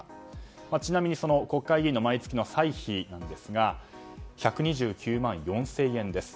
ちなみに国会議員の毎月の歳費なんですが１２９万４０００円です。